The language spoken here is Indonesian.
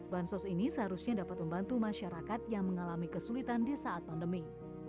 bansos ini seharusnya dapat membantu masyarakat yang mengalami kesulitan di saat pandemi